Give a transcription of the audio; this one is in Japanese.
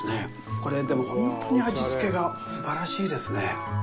これ、でも、ほんとに味つけがすばらしいですね。